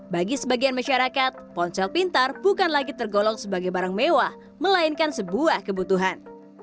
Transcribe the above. bagi sebagian masyarakat ponsel pintar bukan lagi tergolong sebagai barang mewah melainkan sebuah kebutuhan